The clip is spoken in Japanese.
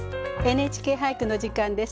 「ＮＨＫ俳句」の時間です。